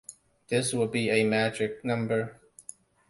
This would be a magic number.